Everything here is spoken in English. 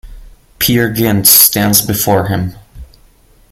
Peer Gynt stands before him.